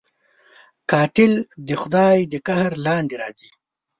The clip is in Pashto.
قاتل د خدای د قهر لاندې راځي